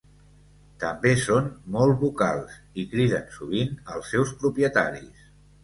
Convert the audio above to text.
També són molt vocals, i criden sovint als seus propietaris.